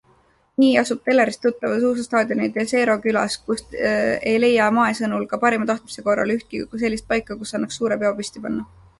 Nii asub telerist tuttav suusastaadion Tesero külas, kust ei leia Mae sõnul ka parima tahtmise korral ühtki sellist paika, kus annaks suure peo püsti panna.